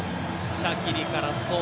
シャキリからソウ。